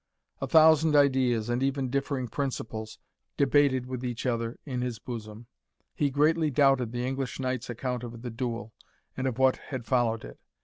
A thousand ideas, and even differing principles, debated with each other in his bosom. He greatly doubted the English knight's account of the duel, and of what had followed it.